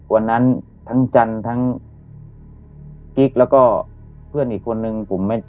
วันนั้นทั้งจันทร์ทั้งกิ๊กแล้วก็เพื่อนอีกคนนึงผมไม่